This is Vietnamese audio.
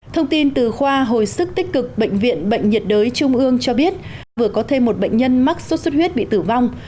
thông tin từ khoa hồi sức tích cực bệnh viện bệnh nhiệt đới trung ương cho biết vừa có thêm một bệnh nhân mắc sốt xuất huyết bị tử vong